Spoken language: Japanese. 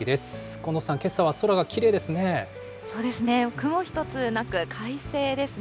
近藤さん、けさは空がきれいですね。